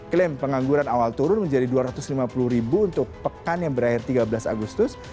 klaim pengangguran awal turun menjadi rp dua ratus lima puluh untuk pekan yang berakhir tiga belas agustus